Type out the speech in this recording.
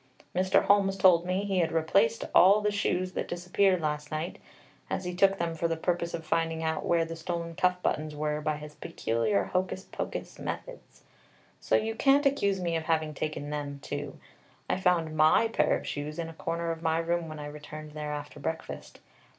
Mr. Holmes told me he had replaced all the shoes that disappeared last night, as he took them for the purpose of finding out where the stolen cuff buttons were by his peculiar hocus pocus methods, so you can't accuse me of having taken them too. I found my pair of shoes in a corner of my room when I returned there after breakfast.